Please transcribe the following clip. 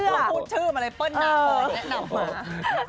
พูดชื่อมาเลยเพิ้ลนำมาแนะนำมา